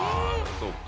そっか。